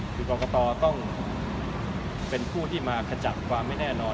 คือกรกตต้องเป็นผู้ที่มาขจัดความไม่แน่นอน